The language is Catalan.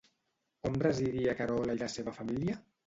On residia Carola i la seva família?